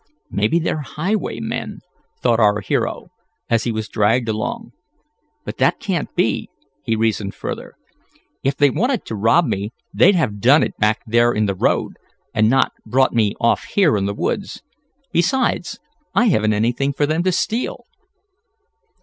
"Maybe they're highwaymen," thought our hero, as he was dragged along "But that can't be," he reasoned further. "If they wanted to rob me they'd have done it back there in the road, and not brought me off here in the woods. Besides, I haven't anything for them to steal."